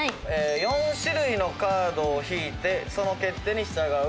「４種類のカードを引いてその決定に従う」